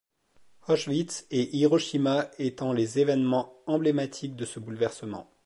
Auschwitz et Hiroshima étant les événements emblématiques de ce bouleversement.